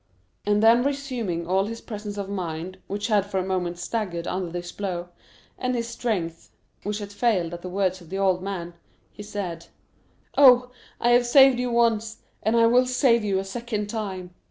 and then resuming all his presence of mind, which had for a moment staggered under this blow, and his strength, which had failed at the words of the old man, he said, "Oh, I have saved you once, and I will save you a second time!"